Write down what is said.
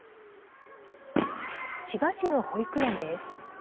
千葉市の保育園です。